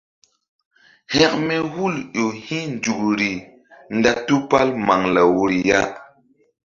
Hekme hul ƴo hi̧ nzukri nda tupal maŋlaw woyri ya.